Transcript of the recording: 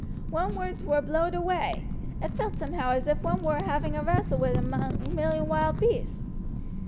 One's words war blowed away. It felt somehow as if one war having a wrastle wi' a million wild beasts.